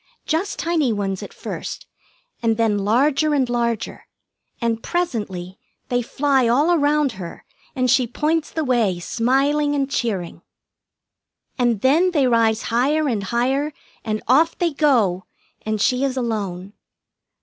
Just tiny ones at first, and then larger and larger, and presently they fly all around her, and she points the way, smiling and cheering. And then they rise higher and higher, and off they go, and she is alone.